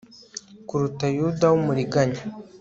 kuruta Yuda w umuriganya